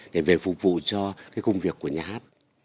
để về phục vụ cho cái công việc của nhà hát